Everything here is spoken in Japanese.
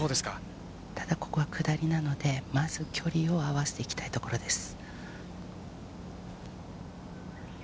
ただ、ここは下りなので、まず距離を合わせていきたいところです。